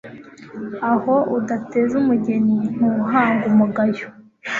aho udateze umugeni ntuhanga umugayo